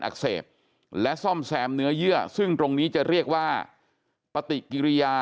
อักเสบและซ่อมแซมเนื้อเยื่อซึ่งตรงนี้จะเรียกว่าปฏิกิริยา